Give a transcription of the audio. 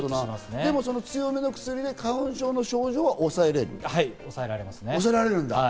でも強めの薬で花粉症の症状抑えられますね。